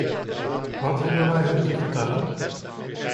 Wat hebben wij hun te vertellen?